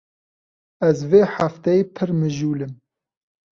Ez vê hefteyê pir mijûl im.